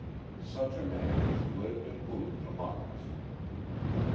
Such a man has lived and moved among us.